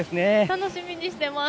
楽しみにしています。